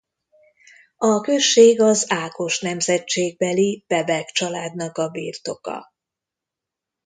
A község az Ákos nemzetségbeli Bebek családnak a birtoka.